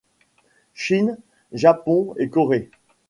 Chine, Japon et Corée.